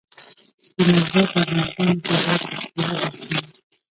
سلیمان غر د افغانستان د طبیعت د ښکلا برخه ده.